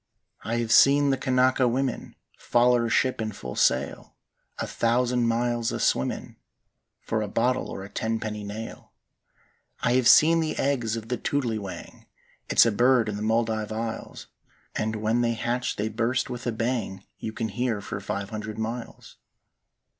"I hev seen the Kanaka women Foller a ship'n full sail, A thousand miles a swimmin' For a bottle or a tenpenny nail. "I hev seen the eggs of the toodly wang; It's a bird in the Muldive Isles; And when they hatch they burst with a bang You can hear five hundred miles.